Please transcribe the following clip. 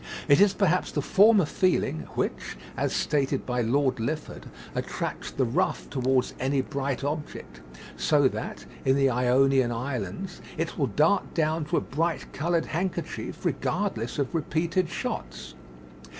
It is perhaps the former feeling which, as stated by Lord Lilford (15. The 'Ibis,' vol. ii. 1860, p. 344.), attracts the ruff towards any bright object, so that, in the Ionian Islands, "it will dart down to a bright coloured handkerchief, regardless of repeated shots."